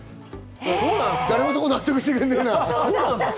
誰もそこ納得してくれないな。